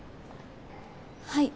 はい。